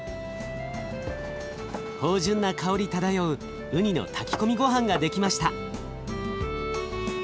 芳じゅんな香り漂ううにの炊き込みごはんが出来ました。